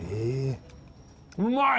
うまい。